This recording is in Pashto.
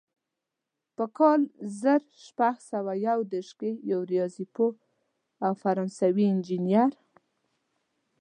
په کال زر شپږ سوه یو دېرش کې یو ریاضي پوه او فرانسوي انجینر.